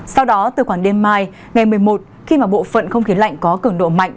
sau đó từ khoảng đêm mai ngày một mươi một khi mà bộ phận không khí lạnh có cường độ mạnh